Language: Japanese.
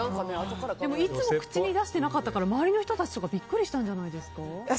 でも、いつも口に出していなかったから周りの人ビックリしたんじゃないですか？